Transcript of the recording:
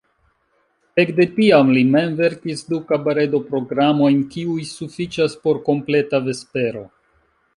Ekde tiam li mem verkis du kabaredo-programojn kiuj sufiĉas por kompleta vespero.